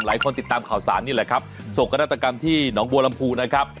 ติดตามข่าวสารนี่แหละครับโศกนาฏกรรมที่หนองบัวลำพูนะครับ